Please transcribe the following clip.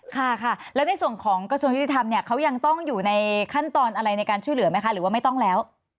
ค่ะค่ะแล้วในส่วนของกระทรวงยุติธรรมเนี่ยเขายังต้องอยู่ในขั้นตอนอะไรในการช่วยเหลือไหมคะหรือว่าไม่ต้องแล้ว